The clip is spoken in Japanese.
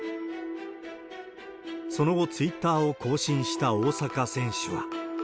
その後、ツイッターを更新した大坂選手は。